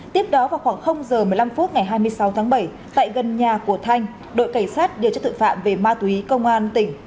tiếp đó vào khoảng giờ một mươi năm phút ngày hai mươi sáu tháng bảy tại gần nhà của thanh đội cảnh sát điều tra tội phạm về ma túy công an tỉnh